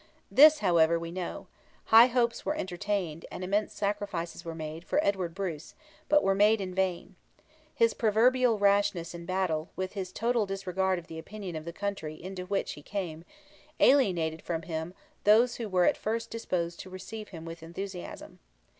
This, however, we know: high hopes were entertained, and immense sacrifices were made, for Edward Bruce, but were made in vain. His proverbial rashness in battle, with his total disregard of the opinion of the country into which he came, alienated from him those who were at first disposed to receive him with enthusiasm.